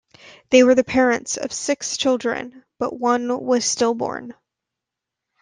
They were the parents of six children, but one was stillborn.